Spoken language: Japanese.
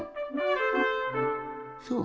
そう。